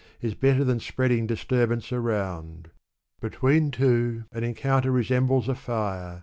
Is better than spreading disturbance around. Between two, an encounter resembles a fire.